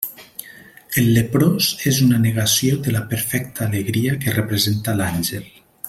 El leprós és una negació de la perfecta alegria que representa l'àngel.